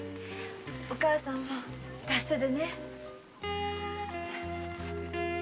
お母さんも達者でね。